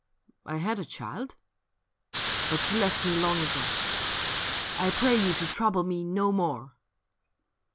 ■/ had a child, but she left tne long ago : I pray you to trouble mc no more.'